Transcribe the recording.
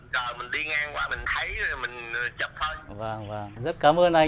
tình cờ mình đi ngang qua mình thấy rồi mình chụp thôi